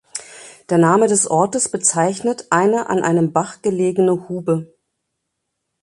Der Name des Ortes bezeichnet eine an einem Bach gelegene Hube.